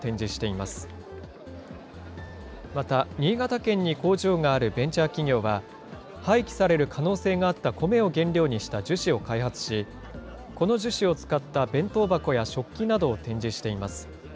また、新潟県に工場があるベンチャー企業は、廃棄される可能性があったコメを原料にした樹脂を開発し、この樹脂を使った弁当箱や食器などを展示しています。